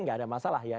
tidak ada masalah ya